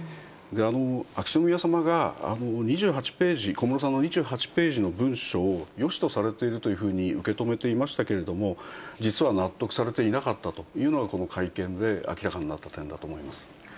秋篠宮さまが２８ページ、小室さんの２８ページの文書をよしとされているというふうに受け止めていましたけれども、実は納得されていなかったというのが、この会見で明らかになった点だと思います。